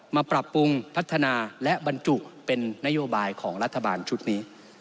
ปรับปรุงพัฒนาและบรรจุเป็นนโยบายของรัฐบาลชุดนี้